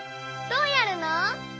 どうやるの？